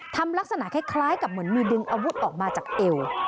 ลักษณะคล้ายกับเหมือนมีดึงอาวุธออกมาจากเอว